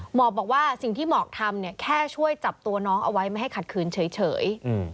บอกว่าสิ่งที่หมอกทำเนี่ยแค่ช่วยจับตัวน้องเอาไว้ไม่ให้ขัดขืนเฉย